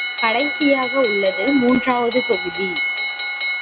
கடைசியாக உள்ளது மூன்றாவது தொகுதி.